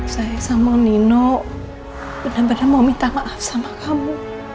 saya sama nino benar benar mau minta maaf sama kamu